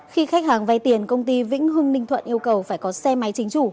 khi khách hàng vay tiền công ty vĩnh hưng ninh thuận yêu cầu phải có xe máy chính chủ